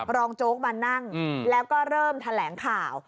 โจ๊กมานั่งแล้วก็เริ่มแถลงข่าว